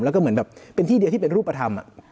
แล้วก็เหมือนแบบเป็นที่เดียวที่เป็นรูปธรรม